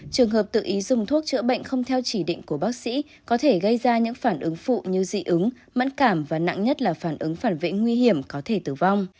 trường hợp tự ý dùng thuốc chữa bệnh không theo chỉ định của bác sĩ có thể gây ra những phản ứng phụ như dị ứng mẫn cảm và nặng nhất là phản ứng phản vệ nguy hiểm có thể tử vong